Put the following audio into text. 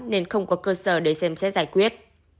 nên không có cơ sở để xem xét giải quyết